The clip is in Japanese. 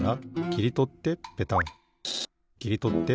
きりとってペタン。